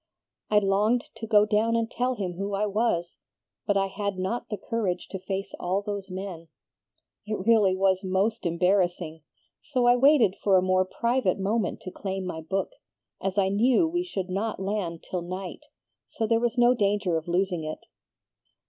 "I longed to go down and tell him who I was, but I had not the courage to face all those men. It really was MOST embarrassing; so I waited for a more private moment to claim my book, as I knew we should not land till night, so there was no danger of losing it.